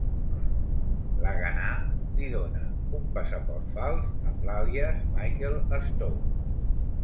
L'Haganah li dóna un passaport fals amb l'àlies "Michael Stone".